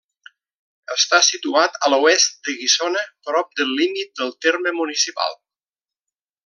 Està situat a l'oest de Guissona, prop del límit del terme municipal.